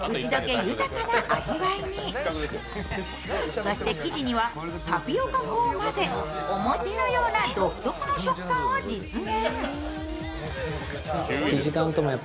そして生地にはタピオカ粉を混ぜお餅のような独特の食感を実現。